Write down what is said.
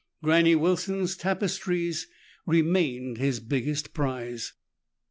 Granny Wilson's tapestries remained his biggest prize.